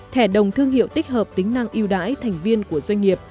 thẻ đồng thương hiệu tích hợp tính năng yêu đáy thành viên của doanh nghiệp